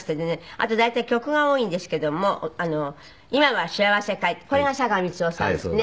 あと大体曲が多いんですけども『今は幸せかい』ってこれが佐川満男さんですね。